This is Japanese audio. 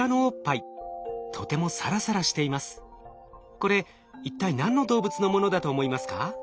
これ一体何の動物のものだと思いますか？